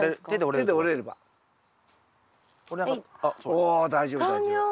お大丈夫大丈夫。